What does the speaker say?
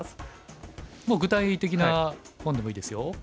もう具体的な本でもいいですよ。